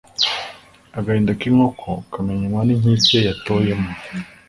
agahinda k'inkoko kamenywa n'inkike yatoyemo